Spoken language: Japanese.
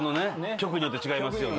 局によって違いますよね